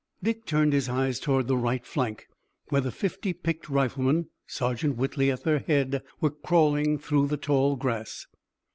Dick turned his eyes toward the right flank, where the fifty picked riflemen, Sergeant Whitley at their head, were crawling through the tall grass.